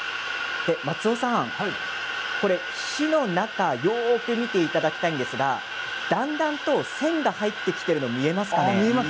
松尾さん、火の中よく見ていただきたいんですがだんだんと線が入ってきているのが見えますか？